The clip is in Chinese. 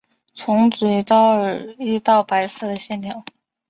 从嘴到耳有一道白色的线条。